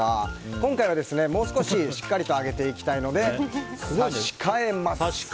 今回はもう少ししっかりと揚げていきたいので差し替えます。